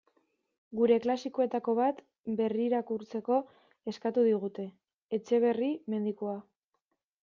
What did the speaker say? Gure klasikoetako bat berrirakurtzeko eskatu digute: Etxeberri medikua.